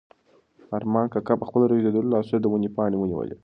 ارمان کاکا په خپلو رېږدېدلو لاسو د ونې پاڼه ونیوله.